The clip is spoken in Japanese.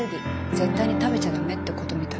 絶対に食べちゃダメってことみたい